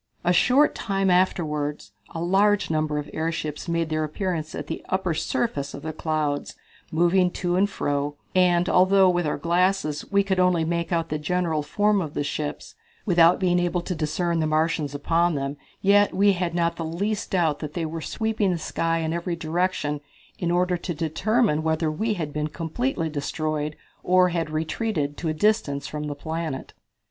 A short time afterward a large number of airships made their appearance at the upper surface of the clouds, moving to and fro, and although, with our glasses, we could only make out the general form of the ships, without being able to discern the Martians upon them, yet we had not the least doubt but they were sweeping the sky in every direction in order to determine whether we had been completely destroyed or had retreated to a distance from the planet.